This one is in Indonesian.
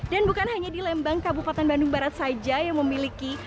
dan bukan hanya di lembang kabupaten bandung barat saja yang memiliki